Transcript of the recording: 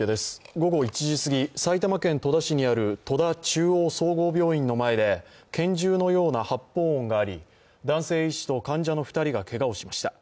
午後１時すぎ、埼玉県戸田市にある戸田中央総合病院の前で拳銃のような発砲音があり、男性医師と患者の２人がけがをしました。